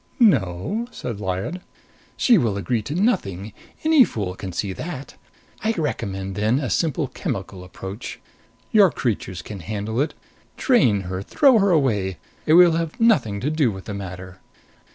"No?" said Lyad. "She will agree to nothing. Any fool can see that. I recommend, then, a simple chemical approach. Your creatures can handle it. Drain her. Throw her away. I will have nothing to do with the matter."